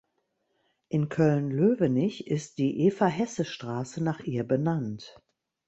In Köln-Lövenich ist die "Eva-Hesse-Straße" nach ihr benannt.